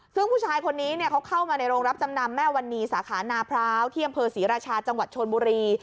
ซึ่งผู้ชายคนนี้เขาเข้ามาในโรงรับจำนำแม่วรรณีสาขานาพร้าวธียมพฤศรีรชาตชนบุรี